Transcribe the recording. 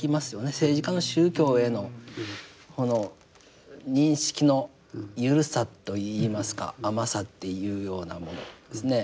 政治家の宗教へのこの認識の緩さといいますか甘さっていうようなものですね。